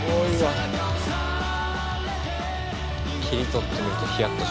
切り取ってみるとヒヤッとしますね。